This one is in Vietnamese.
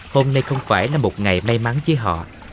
hôm nay không phải là một ngày may mắn với họ